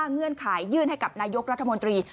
เงื่อนไขยื่นให้กับนายกรัฐมนตรี